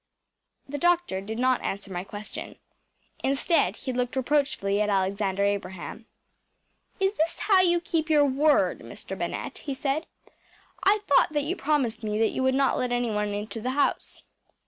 ‚ÄĚ The doctor did not answer my question. Instead, he looked reproachfully at Alexander Abraham. “Is this how you keep your word, Mr. Bennett?‚ÄĚ he said. “I thought that you promised me that you would not let anyone into the house.